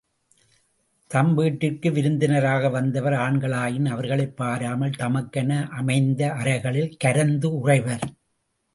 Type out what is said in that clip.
தம் வீட்டிற்க்கு விருந்தினராக வந்தவர் ஆண்களாயின் அவர்களைப் பாராமல் தமக்கென அமைந்த அறைகளில் கரந்து உறைவர்.